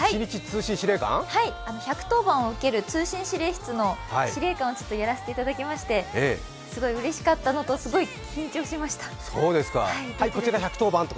１１０番を受ける通信指令室の司令官をやらせていただきましてすごいうれしかったのと、すごい緊張しました。